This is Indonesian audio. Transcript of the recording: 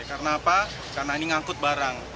karena apa karena ini ngangkut barang